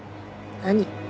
何？